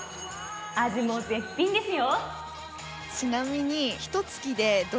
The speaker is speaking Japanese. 味も絶品ですよ。